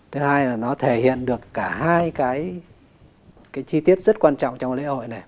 thứ hai là nó thể hiện được cả hai cái chi tiết rất quan trọng trong lễ hội này